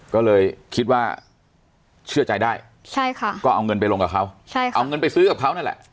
ก็เลยคิดว่าเชื่อใจได้ใช่ค่ะก็เอาเงินไปลงกับเขาเอาเงินไปซื้อกับเขานั่นแหละ